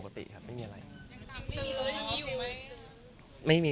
ก็มีไปคุยกับคนที่เป็นคนแต่งเพลงแนวนี้